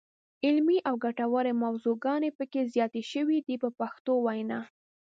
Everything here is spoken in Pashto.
علمي او ګټورې موضوعګانې پکې زیاتې شوې دي په پښتو وینا.